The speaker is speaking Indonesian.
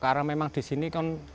karena memang di sini